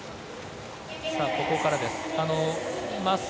ここからです。